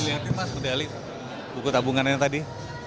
lihatin mas medali buku tabungannya tadi